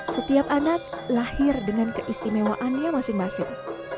setiap anak lahir dengan keistimewaannya masing masing